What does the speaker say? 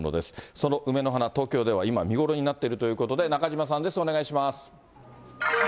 その梅の花、東京では今、見頃になっているということで、中島さんです、お願いします。